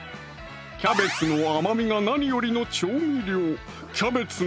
キャベツの甘みが何よりの調味料